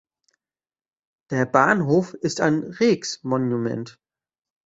Der Bahnhof ist ein Rijksmonument.